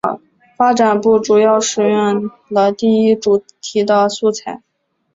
发展部主要使用了第一主题的素材。